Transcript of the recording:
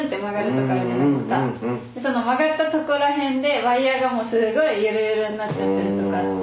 その曲がったとこらへんでワイヤーがもうすごいゆるゆるになっちゃってるとこあるんで。